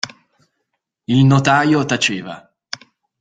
Il notaio taceva.